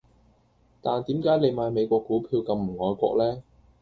但點解你買美國股票咁唔愛國呢